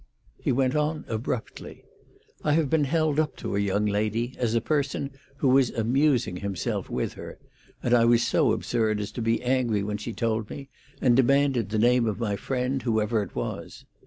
He went on abruptly: "I have been held up to a young lady as a person who was amusing himself with her, and I was so absurd as to be angry when she told me, and demanded the name of my friend, whoever it was.